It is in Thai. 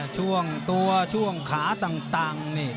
ช่วงตัวช่วงขาต่างนี่